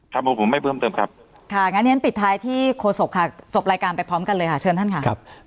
ครับผมไม่เพิ่มเติมครับ